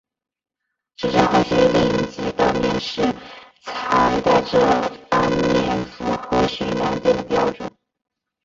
直至后续丽蝇级的面世才在这方面符合巡洋舰的标准。